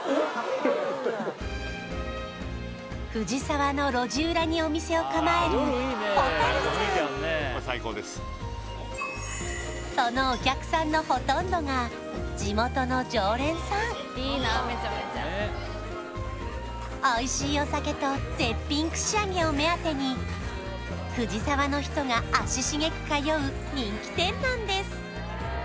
藤沢の路地裏にお店を構えるほたるさんそのお客さんのほとんどがおいしいお酒と絶品串揚げを目当てに藤沢の人が足しげく通う人気店なんです